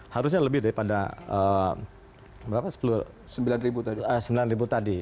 harusnya lebih daripada sembilan ribu tadi